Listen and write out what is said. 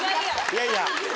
いやいや。